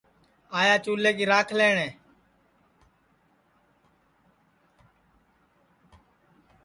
آیا چُولے کی راکھ لئٹؔے